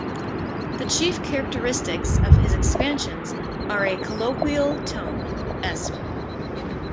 The chief characteristics of his expansions are a colloquial tone, esp.